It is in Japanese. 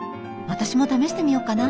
私も試してみようかな。